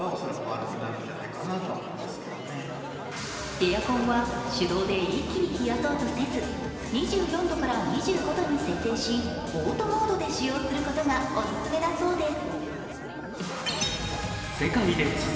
エアコンは手動で一気に冷やそうとせず、２４度から２５度に設定し、オートモードで使用することがお勧めだそうです。